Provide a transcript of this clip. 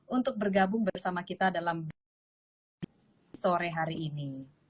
untuk bergabung bersama kita dalam diskusi sore hari ini